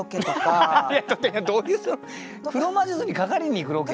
黒魔術にかかりに行くロケ？